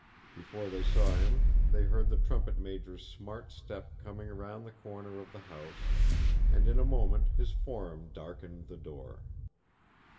Before they saw him, they heard the trumpet major's smart step coming round the corner of the house, and in a moment his form darkened the door.